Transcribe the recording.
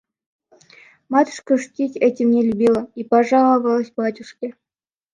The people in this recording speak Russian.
Матушка шутить этим не любила и пожаловалась батюшке.